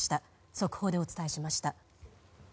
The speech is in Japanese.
速報でお伝えしました。